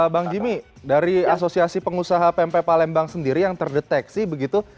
bang jimmy dari asosiasi pengusaha pmp palembang sendiri yang terdeteksi begitu